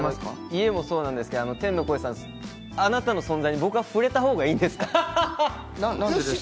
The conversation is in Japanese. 家もそうなんですけど、天の声さん、あなたの存在に僕は触れたほうがいいですか？